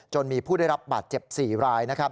มีผู้ได้รับบาดเจ็บ๔ราย